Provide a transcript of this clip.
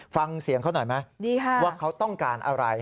ฟังเสียงเขาหน่อยไหมว่าเขาต้องการอะไร